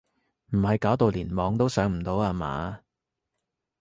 唔係搞到連網都上唔到呀嘛？